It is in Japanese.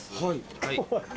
はい。